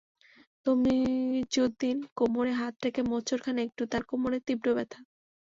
তমিজুদ্দিন কোমরে হাত রেখে মোচড় খান একটু, তাঁর কোমরে তীব্র ব্যথা।